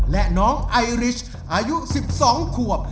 และน้องไอริชอายุ๑๒ขวบ